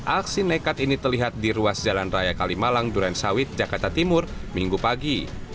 aksi nekat ini terlihat di ruas jalan raya kalimalang durensawit jakarta timur minggu pagi